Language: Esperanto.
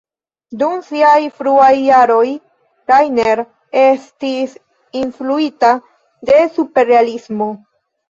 Dum siaj fruaj jaroj, Rainer estis influita de Superrealismo.